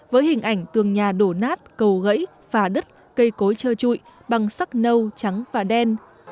với hình ảnh tường nhà đổ nát cầu gãy phà đất cây cối trơ trụi bằng sắc nâu trắng và đen